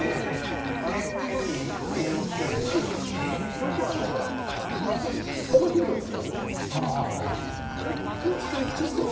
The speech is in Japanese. よくあのほら田んぼに窒素肥料ってまくじゃないですか。